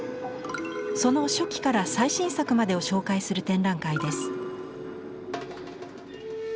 その初期から最新作までを紹介する展覧会です。